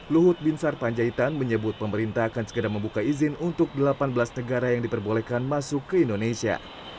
luhut binsar panjaitan menyebut pemerintah akan segera membuka izin untuk delapan belas negara yang diperbolehkan masuk ke indonesia